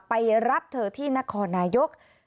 ไปรับเธอที่นครนายก